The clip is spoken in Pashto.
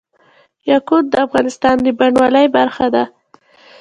یاقوت د افغانستان د بڼوالۍ برخه ده.